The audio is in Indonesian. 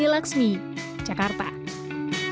tidak disarankan untuk misalkan second job